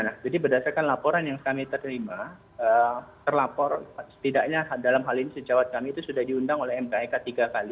nah jadi berdasarkan laporan yang kami terima terlapor setidaknya dalam hal ini sejawat kami itu sudah diundang oleh mkek tiga kali